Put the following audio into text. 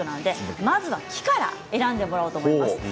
まず木から選んでもらおうと思います。